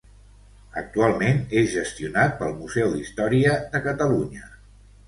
Actualment és gestionat pel Museu d'Història de Catalunya.